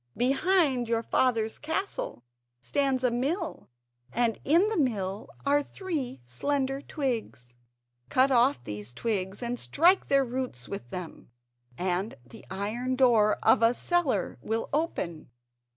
Behind your father's castle stands a mill, and in the mill are three slender twigs. Cut off these twigs and strike their roots with them, and the iron door of a cellar will open.